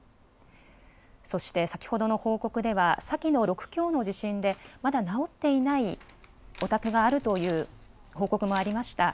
そして先ほどの報告では先の６強の地震でまだ直っていないお宅があるという報告もありました。